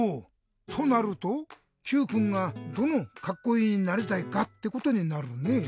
となるとＱくんがどの「カッコイイ」になりたいかってことになるね。